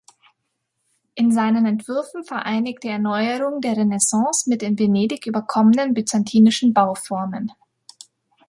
In seinen Entwürfen vereinigte er Neuerungen der Renaissance mit in Venedig überkommenen byzantinischen Bauformen.